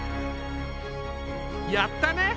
やったね！